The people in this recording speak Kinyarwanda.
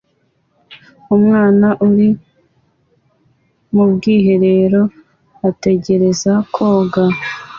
Umwana uri mu bwiherero ategereza koga